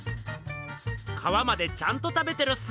かわまでちゃんと食べてるっす。